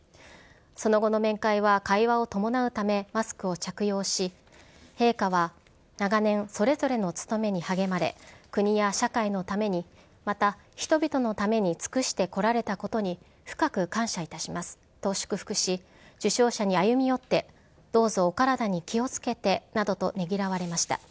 その後の面会は、会話を伴うため、マスクを着用し、陛下は、長年、それぞれの務めに励まれ、国や社会のために、また人々のために尽くしてこられたことに、深く感謝いたしますと祝福し、受章者に歩み寄って、どうぞお体に気をつけてなどとねぎらわれました。